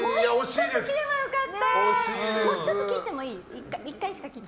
ちょっと切ればよかった。